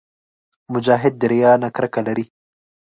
مجاهد د ریا نه کرکه لري.